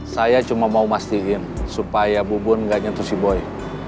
saya cuma mau mastiin supaya bubun gak nyentuh si boy